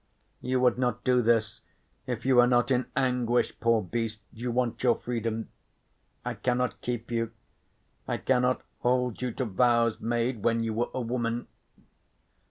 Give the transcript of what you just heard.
"You would not do this if you were not in anguish, poor beast, you want your freedom. I cannot keep you, I cannot hold you to vows made when you were a woman.